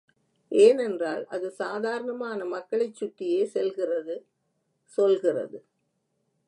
ஏனென்றால், அது சாதாரணமான மக்களைச் சுற்றியே செல்கிறது சொல்கிறது!